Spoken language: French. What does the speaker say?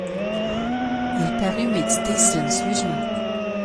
Il parut méditer silencieusement.